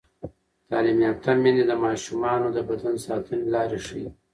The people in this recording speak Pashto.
تعلیم یافته میندې د ماشومانو د بدن ساتنې لارې ښيي.